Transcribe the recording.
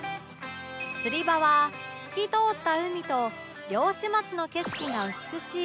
釣り場は透き通った海と漁師町の景色が美しい